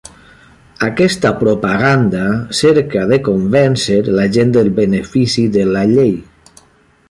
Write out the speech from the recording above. Aquesta propaganda cerca de convèncer la gent del benefici de la llei.